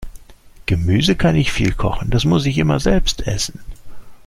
Gemüse kann ich viel kochen, das muss ich immer selbst essen.